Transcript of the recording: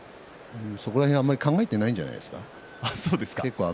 そこら辺あまり考えていないんじゃないですか。